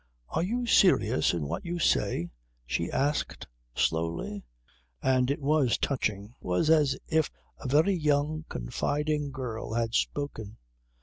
"Are you serious in what you say?" she asked slowly. And it was touching. It was as if a very young, confiding girl had spoken.